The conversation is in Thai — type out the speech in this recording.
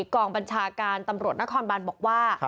กองบัญชาการตำรวจนครบันบอกว่า